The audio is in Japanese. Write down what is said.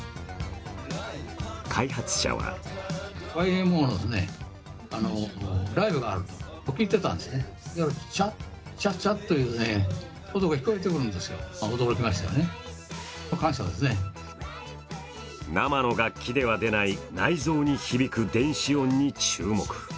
開発者は生の楽器で出ない内臓に響く電子音に注目。